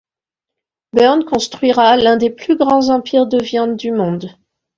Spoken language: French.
Burn construira l'un des plus grands empires de viande du monde.